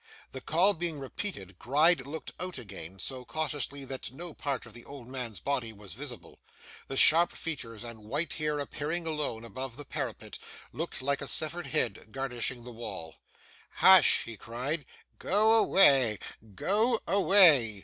The call being repeated, Gride looked out again, so cautiously that no part of the old man's body was visible. The sharp features and white hair appearing alone, above the parapet, looked like a severed head garnishing the wall. 'Hush!' he cried. 'Go away, go away!